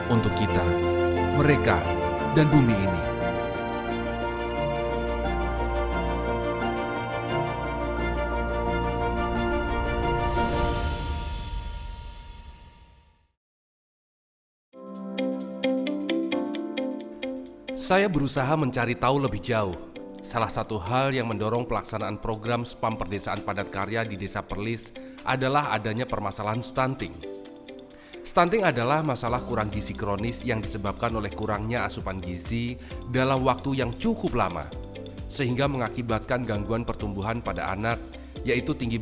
untuk kita mereka dan bumi ini